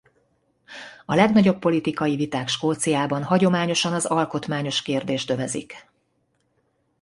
A legnagyobb politika viták Skóciában hagyományosan az alkotmányos kérdést övezik.